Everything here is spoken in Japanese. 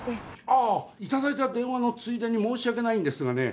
あ頂いた電話のついでに申し訳ないんですがね